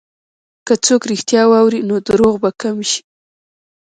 که څوک رښتیا واوري، نو دروغ به کم شي.